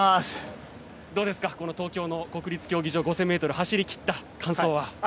どうですか、この東京の国立競技場５０００ｍを走りきった感想は。